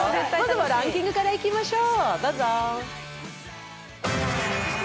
ランキングからいきましょう。